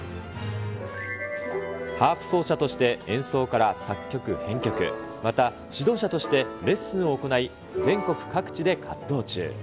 ハープ奏者として演奏から作曲、編曲、また指導者としてレッスンを行い、全国各地で活動中。